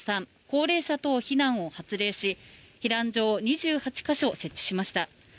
３高齢者等避難を発令し避難所を２８か所設置しました。